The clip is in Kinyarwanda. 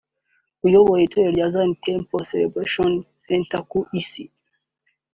uyoboye itorero rya Zion Temple Celebration Centre ku isi